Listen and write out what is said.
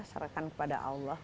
serahkan kepada allah